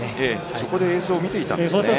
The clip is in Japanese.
そこで映像を見ていたんですね。